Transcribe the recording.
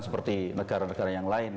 seperti negara negara yang lain